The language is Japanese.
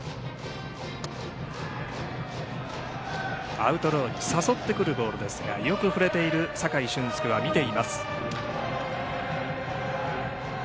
アウトローに誘ってくるボールですが酒井駿輔は見ています。